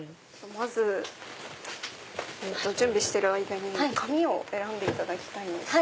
まず準備してる間に紙を選んでいただきたいんですけど。